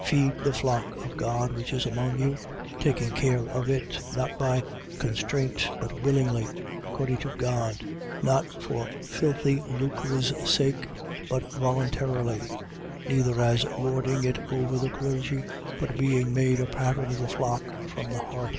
Feed the flock of God which is among you, taking care of it, not by constraint but willingly, according to God: not for filthy lucre's sake but voluntarily: 5:3. Neither as lording it over the clergy but being made a pattern of the flock from the heart.